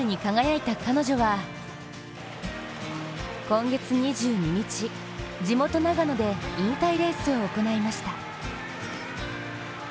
今月２２日、地元・長野で引退レースを行いました。